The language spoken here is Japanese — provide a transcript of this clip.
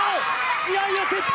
試合を決定